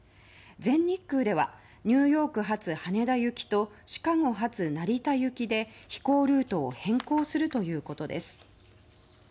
全日空ではニューヨーク発羽田行きとシカゴ発成田行きで飛行ルートを変更するということです。